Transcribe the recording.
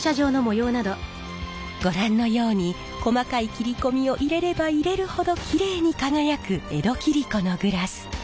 ご覧のように細かい切り込みを入れれば入れるほどきれいに輝く江戸切子のグラス。